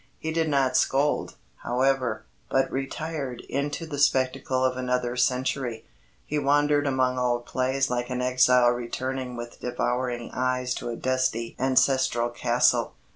He did not scold, however, but retired into the spectacle of another century. He wandered among old plays like an exile returning with devouring eyes to a dusty ancestral castle.